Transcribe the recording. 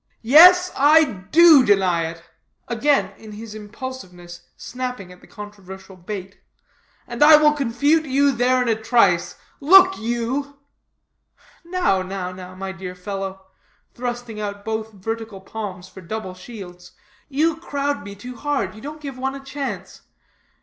"Yes, I do deny it," again, in his impulsiveness, snapping at the controversial bait, "and I will confute you there in a trice. Look, you " "Now, now, now, my dear fellow," thrusting out both vertical palms for double shields, "you crowd me too hard. You don't give one a chance.